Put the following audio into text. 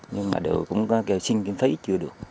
nhưng mà đều cũng kêu xin kiếm phí chưa được